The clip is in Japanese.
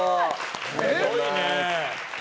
すごいね。